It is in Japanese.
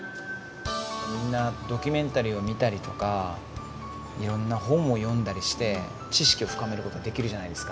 みんなドキュメンタリーを見たりとかいろんな本を読んだりして知識を深めることはできるじゃないですか。